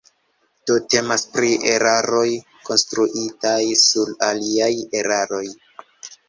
Do temas pri eraroj konstruitaj sur aliaj eraroj.